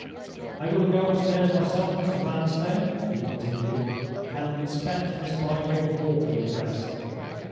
"I will go upstairs myself, Mr. Vanstone," he continued, "and inspect Miss Bygrave's walking dress.